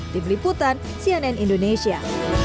dibeliputan cnn indonesia